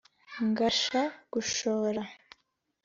ngasha gushora